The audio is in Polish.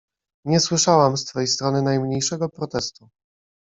Nie słyszałam z twej strony najmniejszego protestu.